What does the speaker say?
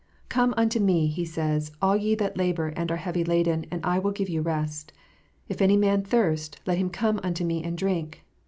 " Come unto Me," He says, " all ye that labour and are heavy laden, and I will give you rest." "If any man thirst, let him come unto Me and drink."